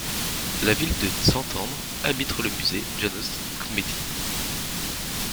La ville de Szentendre abrite le musée János Kmetty.